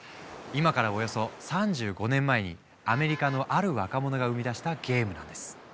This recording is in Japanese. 今からおよそ３５年前にアメリカのある若者が生み出したゲームなんです。